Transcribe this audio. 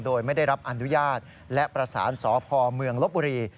โดยไม่ได้รับอนุญาตและประสานสพเมืองลบบุรี